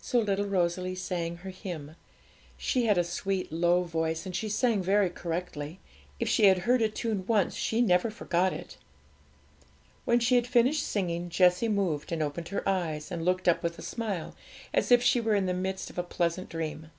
So little Rosalie sang her hymn. She had a sweet low voice, and she sang very correctly; if she had heard a tune once she never forgot it. When she had finished singing, Jessie moved, and opened her eyes, and looked up with a smile, as if she were in the midst of a pleasant dream.